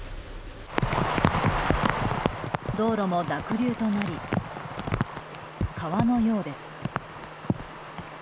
道路も濁流となり川のようです。